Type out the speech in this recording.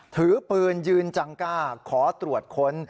ถือปืนยืนจังกราศขอตรวจขน